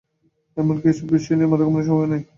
এমনকি এসব বিষয় নিয়ে মাথা ঘামানোর সময়ও নেই তাঁর।